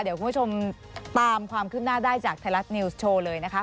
เดี๋ยวคุณผู้ชมตามความคืบหน้าได้จากไทยรัฐนิวส์โชว์เลยนะคะ